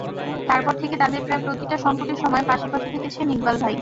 তারপর থেকে তাঁদের প্রায় প্রতিটা সংকটের সময় পাশে পাশে থেকেছেন ইকবাল ভাই।